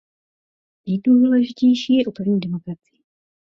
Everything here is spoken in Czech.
Nejdůležitější je upevnit demokracii.